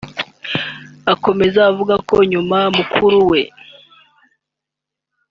Akomeza avuga ko nyuma mukuru we